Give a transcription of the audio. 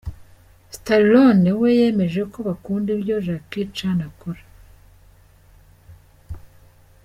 Stallone we yemeje ko bakunda ibyo Jackie Chan akora.